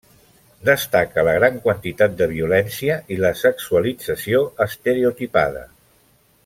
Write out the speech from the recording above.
Destaca la gran quantitat de violència i la sexualització estereotipada.